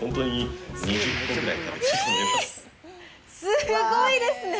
すごいですね。